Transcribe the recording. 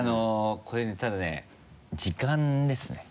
これねただね時間ですね。